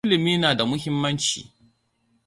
Ilimi na da muhimmanci.